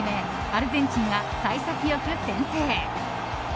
アルゼンチンが幸先よく先制。